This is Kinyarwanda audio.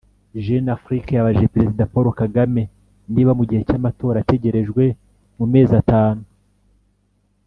JeuneAfrique yabajije Perezida Paul Kagame niba mu gihe cy’amatora ategerejwe mu mezi atanu